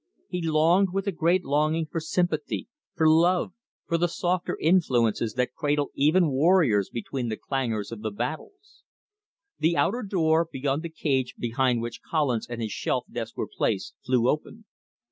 He longed with a great longing for sympathy, for love, for the softer influences that cradle even warriors between the clangors of the battles. The outer door, beyond the cage behind which Collins and his shelf desk were placed, flew open.